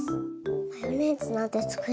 マヨネーズなんてつくれるの？